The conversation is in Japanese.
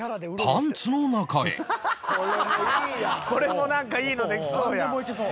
「これもなんかいいのできそうやん」